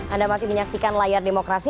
anda masih menyaksikan layar demokrasi